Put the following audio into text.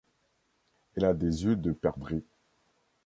Elle a des yeux de perdrix.